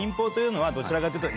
どちらかというと。